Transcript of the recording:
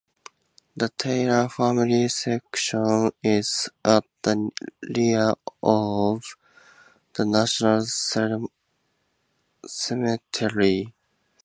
The Taylor family section is at the rear of the national cemetery.